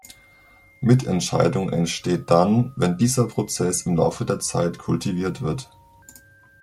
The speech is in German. Mitentscheidung entsteht dann, wenn dieser Prozess im Laufe der Zeit kultiviert wird.